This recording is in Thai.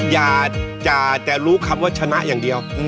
อย่าแต่รู้คำว่าชนะอย่างเดียว